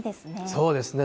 そうですね。